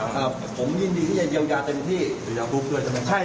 ครับผมยินดีที่จะเยียวยาเต็มที่เยียวยาฟลุ๊กด้วยใช่ไหม